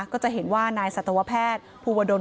ก็จะเห็นว่านายสัตวแพทย์ภูวดล